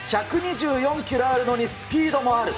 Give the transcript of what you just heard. １２４キロあるのに、スピードもある。